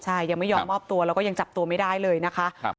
ใช่ยังไม่ยอมมอบตัวแล้วก็ยังจับตัวไม่ได้เลยนะคะ